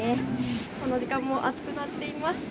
この時間も暑くなっています。